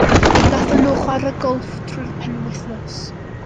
Nathon nhw chwarae golff trwy'r penwythnos.